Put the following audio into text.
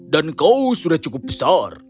dan kau sudah cukup besar